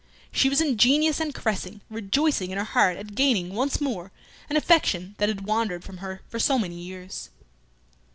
She was ingenious and caressing, rejoicing in her heart at gaining once more an affection that had wandered from her for so many years.